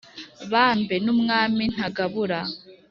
Bambe n' umwami ntagabura! »